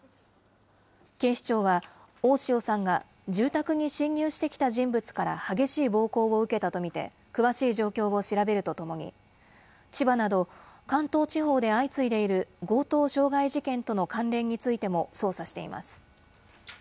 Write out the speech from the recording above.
警視庁は、大塩さんが住宅に侵入してきた人物から激しい暴行を受けたと見て、詳しい状況を調べるとともに、千葉など関東地方で相次いでいる強盗傷害事件との関連についても捜査しています。